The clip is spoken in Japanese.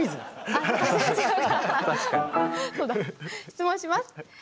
質問します。